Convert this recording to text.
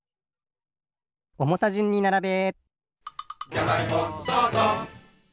おもさじゅんにならべ！